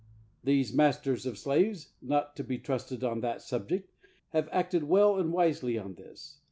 These masters of slaves, not to be trusted on that subject, have acted well and wisely on this.